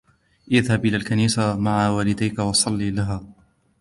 اذهب إلى الكنيسة مع والديك وصلّ لها.